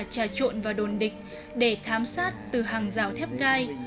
trà trộn và đồn địch để thám sát từ hàng rào thép gai